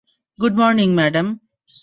Good morning, madam.